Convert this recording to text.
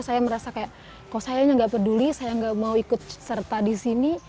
saya merasa kayak kok saya nggak peduli saya nggak mau ikut serta di sini